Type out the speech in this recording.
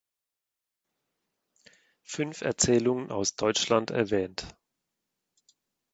Fünf Erzählungen aus Deutschland“ erwähnt.